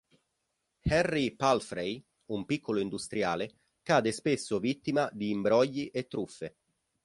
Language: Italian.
Henry Palfrey, un piccolo industriale, cade spesso vittima di imbrogli e truffe.